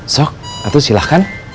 sok atul silahkan